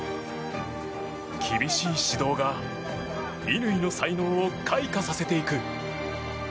厳しい指導が乾の才能を開花させていく。